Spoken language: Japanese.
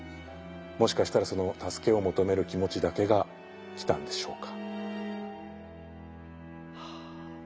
もしかしたらその助けを求める気持ちだけが来たんでしょうか。